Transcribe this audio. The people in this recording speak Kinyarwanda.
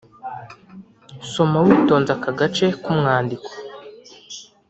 Soma witonze aka gace k’umwandiko